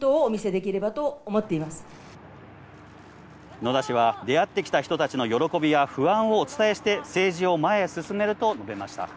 野田氏は出会ってきた人たちの喜びや不安をお伝えして政治を前へ進めると述べました。